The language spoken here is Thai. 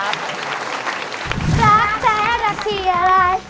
รักแท้นาทีอะไร